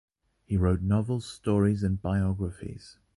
He wrote novels, stories and biographies.